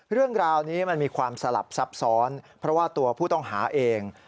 เรื่องราวนี้มันมีความสลับซับซ้อนเพราะว่าตัวผู้ต้องหาเอง